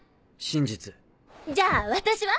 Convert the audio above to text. じゃあ私は？